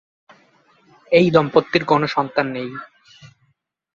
এই দম্পতির কোন সন্তান নেই।